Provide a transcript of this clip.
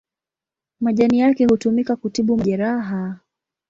Majani yake hutumika kutibu majeraha.